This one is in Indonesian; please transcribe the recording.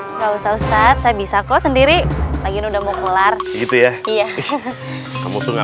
nggak usah ustadz saya bisa kok sendiri lagi udah mau pular gitu ya iya kamu tuh enggak